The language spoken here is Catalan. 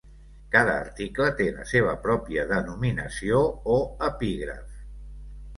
Cada article té la seva pròpia denominació o epígraf.